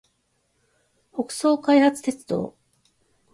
北総開発鉄道